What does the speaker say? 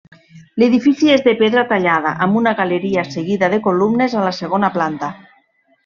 L'edifici és de pedra tallada, amb una galeria seguida de columnes a la segona planta.